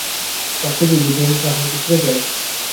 থাকতে যদি দেন তা হলে কি ছেড়ে যাই?